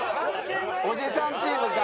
おじさんチームが。